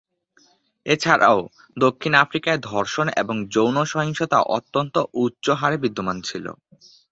এছাড়াও, দক্ষিণ আফ্রিকায় ধর্ষণ এবং যৌন সহিংসতা অত্যন্ত উচ্চ হারে বিদ্যমান ছিল।